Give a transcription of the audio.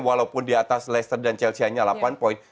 walaupun di atas leicester dan chelsea hanya delapan poin